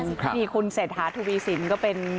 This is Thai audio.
อย่างนี้คุณเศษฐานธุวีศิลป์ก็เป็น